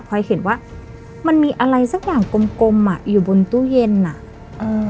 พอยเห็นว่ามันมีอะไรสักอย่างกลมกลมอ่ะอยู่บนตู้เย็นอ่ะเออ